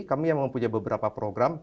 kami yang mempunyai beberapa program